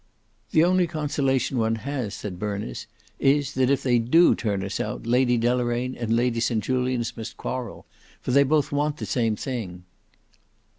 "The only consolation one has," said Berners, "is, that if they do turn us out, Lady Deloraine and Lady St Julians must quarrel, for they both want the same thing."